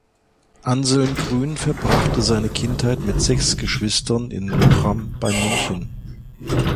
Anselm Grün verbrachte seine Kindheit mit sechs Geschwistern in Lochham bei München.